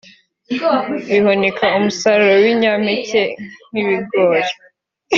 bihunika umusaruro w’ibinyampeke nk’ibigori